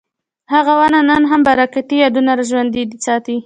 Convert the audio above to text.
هغه ونه نن هم برکتي یادونه ژوندي ساتي.